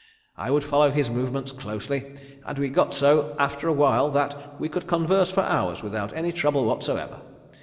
I would follow his movements closely, and we got so after awhile that we could converse for hours without any trouble whatsoever.